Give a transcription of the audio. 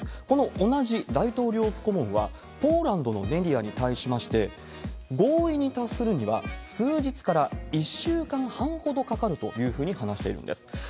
この同じ大統領府顧問は、ポーランドのメディアに対しまして、合意に達するには数日から１週間半ほどかかるというふうに話しているんです。